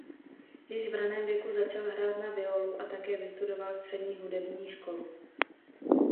Již v raném věku začal hrát na violu a také vystudoval střední hudební školu.